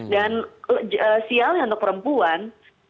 dan sialnya untuk perempuan